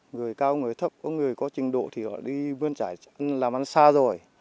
người cao người thấp có người có trình độ thì họ đi vươn trải làm ăn xa rồi